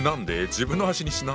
自分の脚にしな。